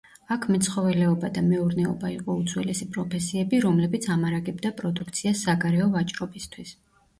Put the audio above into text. აქ მეცხოველეობა და მეურნეობა იყო უძველესი პროფესიები, რომლებიც ამარაგებდა პროდუქციას საგარეო ვაჭრობისთვის.